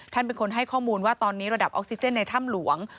เป็นคนให้ข้อมูลว่าตอนนี้ระดับออกซิเจนในถ้ำหลวง